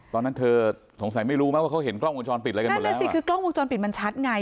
ตอนนั้นเธอสงสัยไม่รู้ไหมว่าเขาเห็นกล้องวงจรปิดอะไรกันหมดเลยนั่นสิคือกล้องวงจรปิดมันชัดไง